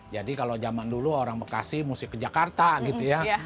jadi kalau zaman dulu orang bekasi mesti ke jakarta gitu ya